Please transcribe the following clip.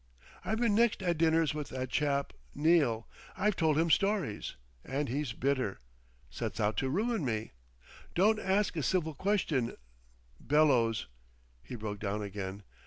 I've been next at dinners with that chap, Neal; I've told him stories—and he's bitter! Sets out to ruin me. Don't ask a civil question—bellows." He broke down again.